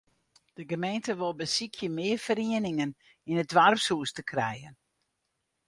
De gemeente wol besykje mear ferieningen yn it doarpshûs te krijen.